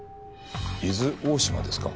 伊豆大島ですか？